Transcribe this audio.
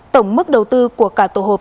tổng mức đầu tư của cả tổ hợp